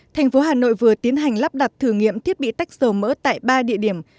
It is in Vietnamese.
thành phố hà nội vừa tiến hành lắp đặt thử nghiệm thiết bị tách dầu mỡ tại ba địa điểm